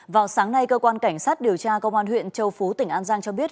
vào sáng nay cơ quan cảnh sát điều tra công an huyện châu phú tỉnh an giang cho biết